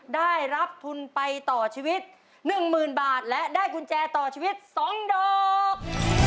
ได้รับทุนไปต่อชีวิต๑๐๐๐บาทและได้กุญแจต่อชีวิต๒ดอก